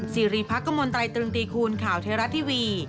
สิริพักกมลตรายตรึงตีคูณข่าวเทราะทีวี